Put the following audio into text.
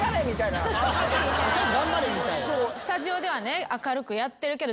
スタジオではね。